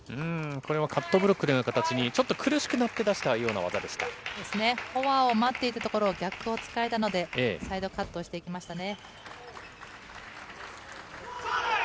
これはカットブロックのような形に、ちょっと苦しくなって出フォアを待っていたところを逆を突かれたので、サイドカットしてきましたね。